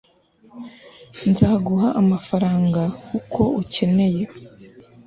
nzaguha amafaranga uko ukeneye